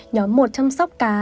nhóm một chăm sóc cá